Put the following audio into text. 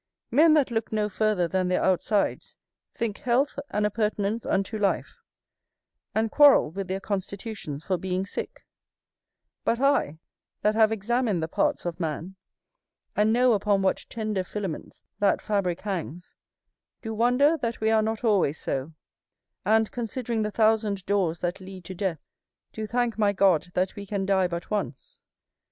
Men that look no further than their outsides, think health an appurtenance unto life, and quarrel with their constitutions for being sick; but I, that have examined the parts of man, and know upon what tender filaments that fabrick hangs, do wonder that we are not always so; and, considering the thousand doors that lead to death, do thank my God that we can die but once.